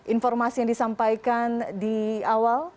informasi yang disampaikan di awal